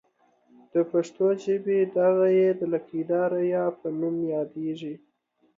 د پښتو ژبې دغه ۍ د لکۍ داره یا په نوم یادیږي.